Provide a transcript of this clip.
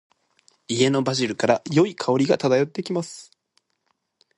家のバジルから、良い香りが漂ってきます。